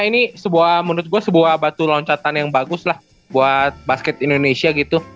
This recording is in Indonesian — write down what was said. ini sebuah menurut gue sebuah batu loncatan yang bagus lah buat basket indonesia gitu